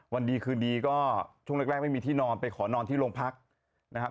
วันดีคืนดีก็ช่วงแรกไม่มีที่นอนไปขอนอนที่โรงพักนะครับ